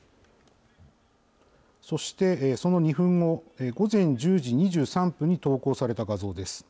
そして、その２分後、午前１０時２３分に投稿された画像です。